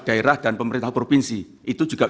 daerah dan pemerintah provinsi itu juga